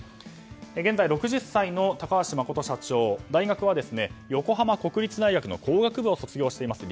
現在６０歳の高橋誠社長大学は横浜国立大学の工学部を卒業しています。